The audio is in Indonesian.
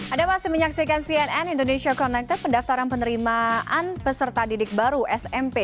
ada masih menyaksikan cnn indonesia connected pendaftaran penerimaan peserta didik baru smp